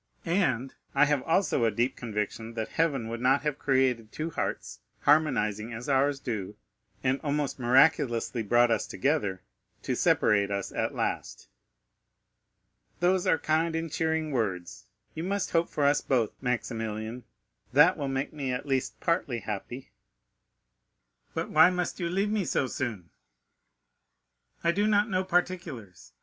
And I have also a deep conviction that heaven would not have created two hearts, harmonizing as ours do, and almost miraculously brought us together, to separate us at last." "Those are kind and cheering words. You must hope for us both, Maximilian; that will make me at least partly happy." "But why must you leave me so soon?" "I do not know particulars.